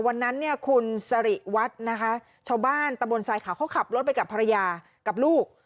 วันนั้นเนี่ยคุณสริวัฒน์นะคะชาวบ้านตะบนทรายขาวเขาขับรถไปกับภรรยากับลูก